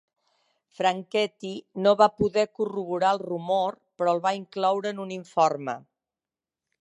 Franchetti no va poder corroborar el rumor, però el va incloure en un informe.